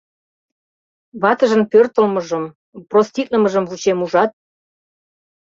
Ватыжын пӧртылмыжым, проститлымыжым вучем, ужат?»